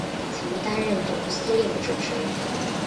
曾担任总司令之职。